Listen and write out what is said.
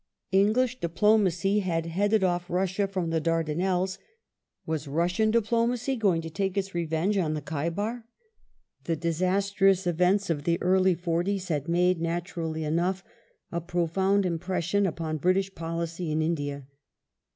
^ English diplomacy had headed off Russia from the Daixlanelles ; was Russian diplomacy going to take its revenge on the Khdibar ? Anglo The disastrous events of the early " forties " had made, naturally Afghan enough, a profound impression upon British policy in India.